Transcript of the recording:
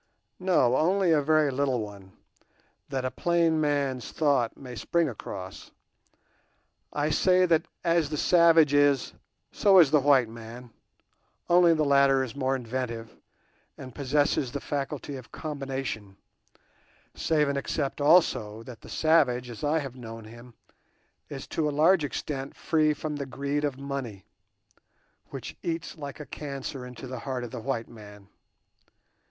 No, only a very little one, that a plain man's thought may spring across. I say that as the savage is, so is the white man, only the latter is more inventive, and possesses the faculty of combination; save and except also that the savage, as I have known him, is to a large extent free from the greed of money, which eats like a cancer into the heart of the white man.